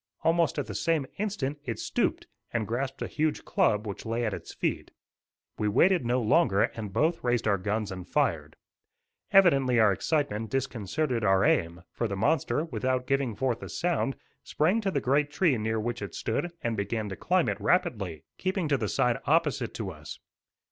Almost at the same instant it stooped and grasped a huge club which lay at its feet. We waited no longer, and both raised our guns and fired. Evidently our excitement disconcerted our aim, for the monster, without giving forth a sound, sprang to the great tree near which it stood and began to climb it rapidly, keeping to the side opposite to us.